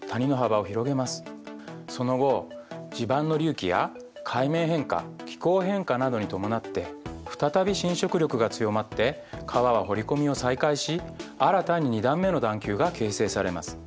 その後地盤の隆起や海面変化気候変化などに伴って再び侵食力が強まって川は掘り込みを再開し新たに２段目の段丘が形成されます。